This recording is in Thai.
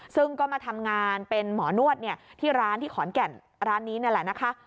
ซึ่งก็มาทำงานเป็นหมอนวดที่ร้านที่ขอนแก่นร้านนี้นี่แหละนะคะ